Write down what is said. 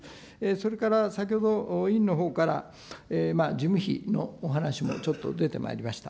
それから先ほど委員のほうから事務費のお話もちょっと出てまいりました。